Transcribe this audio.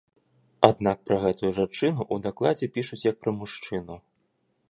Аднак пра гэтую жанчыну ў дакладзе пішуць, як пра мужчыну.